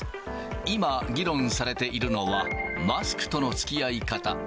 今、議論されているのは、マスクとのつきあい方。